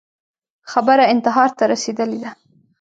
خبره انتحار ته رسېدلې ده